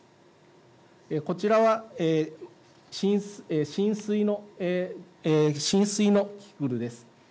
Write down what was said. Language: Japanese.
こちらは浸水のキキクルです。